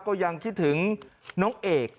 ก็ยังคิดถึงน้องเอก